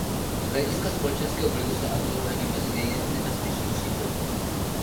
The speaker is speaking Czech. Z hlediska společenského vlivu se alkohol řadí mezi nejnebezpečnější drogy.